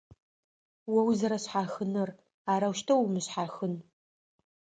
О узэрэшъхьахынэр - арэущтэу умышъхьахын.